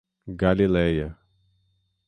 Galileia